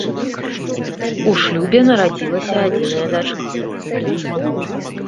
У шлюбе нарадзілася адзіная дачка.